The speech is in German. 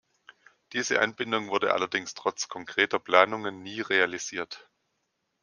Diese Anbindung wurde allerdings trotz konkreter Planungen nie realisiert.